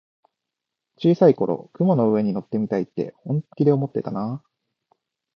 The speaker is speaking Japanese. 小さい頃、雲の上に乗ってみたいって本気で思ってたなあ。